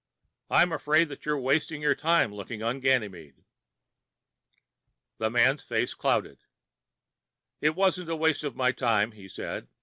I'm afraid that you're wasting your time looking on Ganymede." The man's face clouded. "It isn't a waste of my time," he said.